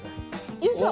よいしょ。